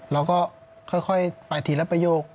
เราก็ค่อยไปทีละประโยค